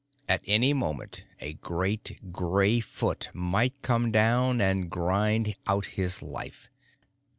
At any moment, a great gray foot might come down and grind out his life.